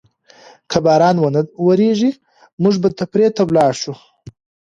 که باران ونه وریږي، موږ به تفریح ته لاړ شو.